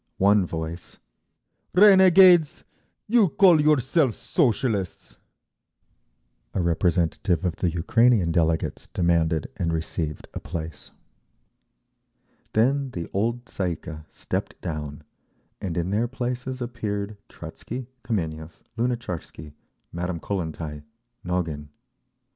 One voice, "Renegades, you call yourselves Socialists!" A representative of the Ukrainean delegates demanded, and received, a place. Then the old Tsay ee kah stepped down, and in their places appeared Trotzky, Kameniev, Lunatcharsky, Madame Kollentai, Nogin….